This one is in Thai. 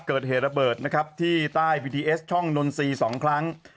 เกิดเหตุระเบิดนะครับที่ใต้บีทีเอสช่องนนทรีย์๒ครั้ง